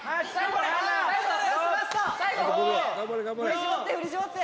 「振り絞って振り絞って！」